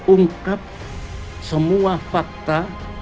ungkap semua fakta